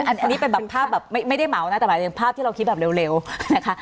อันนี้เป็นแบบภาพแบบไม่ได้เหมานะแต่หมายถึงภาพที่เราคิดแบบเร็วนะคะ